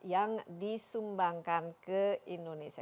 yang disumbangkan ke indonesia